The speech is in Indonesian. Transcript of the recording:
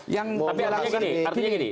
yang mau mengatakan ini